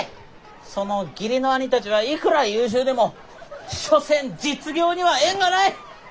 その義理の兄たちはいくら優秀でも所詮実業には縁がない。